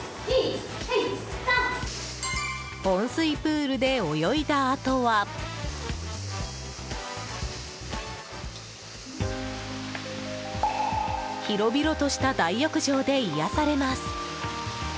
温水プールで泳いだあとは広々とした大浴場で癒やされます。